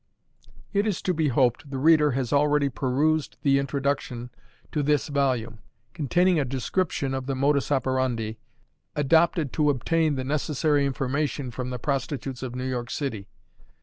It is to be hoped the reader has already perused the introduction to this volume, containing a description of the modus operandi adopted to obtain the necessary information from the prostitutes of New York City.